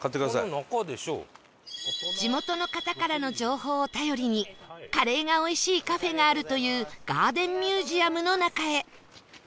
地元の方からの情報を頼りにカレーが美味しいカフェがあるというガーデンミュージアムの中へ